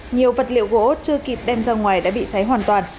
nhiều vật liệu gỗ chưa kịp đem ra ngoài đã bị cháy hoàn toàn